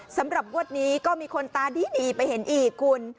สำหรับงวดนี้ก็มีคนตาดีไปเห็นอีกคุณ